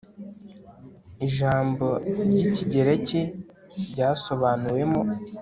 ijambo ry'i kigereki ryasobanuwemo